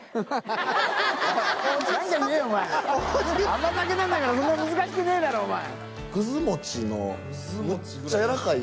甘酒なんだからそんな難しくねえだろお前